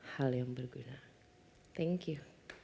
hal yang berguna thank you